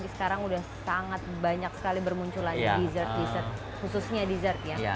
sekarang sudah sangat banyak sekali bermunculan dessert dessert khususnya dessert ya